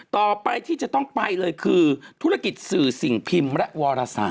ต่อไปที่จะต้องไปเลยคือธุรกิจสื่อสิ่งพิมพ์และวรศาส